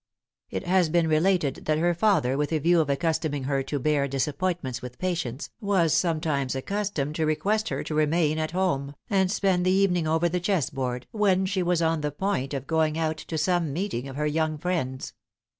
It has been related that her father, with a view of accustoming her to bear disappointments with patience, was sometimes accustomed to request her to remain at home, and spend the evening over the chess board, when she was on the point of going out to some meeting of her young friends.